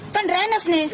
kan renes nih